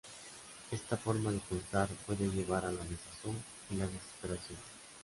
Esta forma de pensar puede llevar a la desazón y la desesperación.